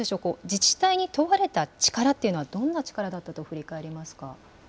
自治体に問われた力というのは、どんな力だったと振り返りますか。